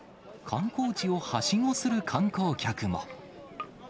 観光地をはしごする観光客も。